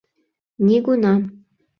— Нигунам.